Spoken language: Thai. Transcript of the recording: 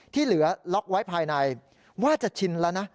ที่เหลือล็อกไว้ภายในว่าจะชินแล้วนะ